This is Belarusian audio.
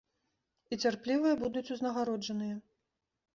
І цярплівыя будуць узнагароджаныя.